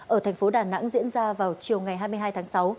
ở thành phố đà nẵng diễn ra vào chiều ngày hai mươi hai tháng sáu